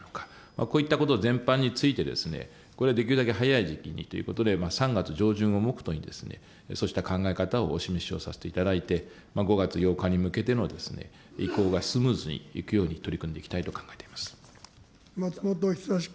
こういったこと全般について、これ、できるだけ早い時期にということで、３月上旬を目途にそうした考え方をお示しをさせていただいて、５月８日に向けての移行がスムーズにいくように取り組んで松本尚君。